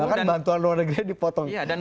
bahkan bantuan luar negeri dipotong besar sekali